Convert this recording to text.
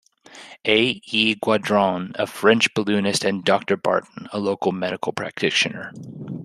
A E Gaudron, a French balloonist and Doctor Barton, a local medical practitioner.